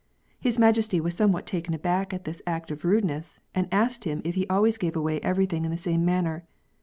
His Majesty was somewhat taken aback at this act of rudeness, and asked him if he always gave away everything in the same manner.